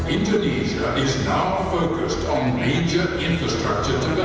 indonesia sekarang terfokus pada pembangunan infrastruktur utama